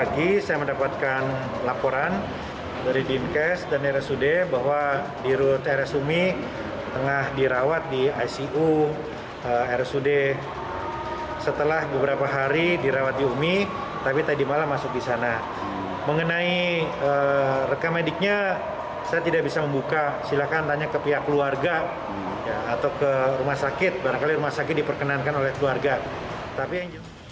keluarga atau ke rumah sakit barangkali rumah sakit diperkenankan oleh keluarga